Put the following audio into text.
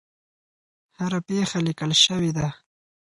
هره پېښه لیکل شوې ده.